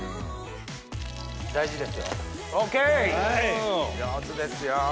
大事ですよＯＫ！